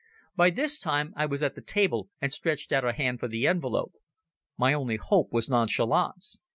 By this time I was at the table and stretched out a hand for the envelope. My one hope was nonchalance.